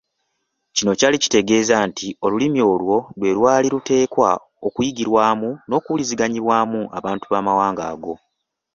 Kino kyali kitegeeza nti olulimi olwo lwe lwali luteekwa okuyigirwamu n’okuwuliziganyizibwamu abantu b’Amawanga ago.